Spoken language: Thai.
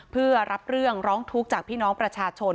เพื่อรับเรื่องร้องทุกข์จากพี่น้องประชาชน